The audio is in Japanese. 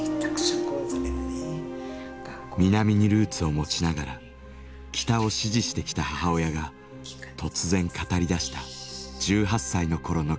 南にルーツを持ちながら北を支持してきた母親が突然語り出した１８歳の頃の記憶。